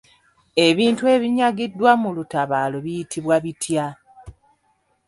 Ebintu ebinyagiddwa mu lutabaalo biyitibwa bitya?